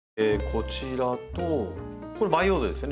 こちらとこれ「培養土」ですよね。